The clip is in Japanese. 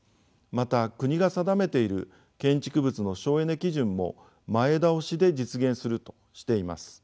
また国が定めている建築物の省エネ基準も前倒しで実現するとしています。